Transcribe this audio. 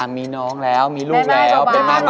มีน้องแล้วมีลูกแล้ว